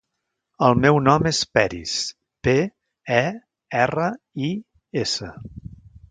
El meu nom és Peris: pe, e, erra, i, essa.